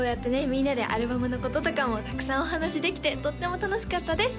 みんなでアルバムのこととかもたくさんお話しできてとっても楽しかったです